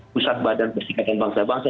pusat badan perserikatan bangsa bangsa